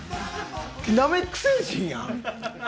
ナメック星人やん。